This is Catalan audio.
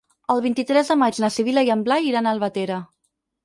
El vint-i-tres de maig na Sibil·la i en Blai iran a Albatera.